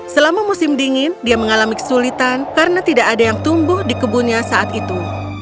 selama musim dingin dia mengalami kesulitan karena tidak ada yang tumbuh di kebunnya saat itu